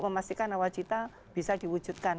memastikan nawacita bisa diwujudkan